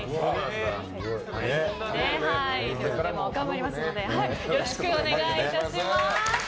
でも、頑張りますのでよろしくお願いいたします。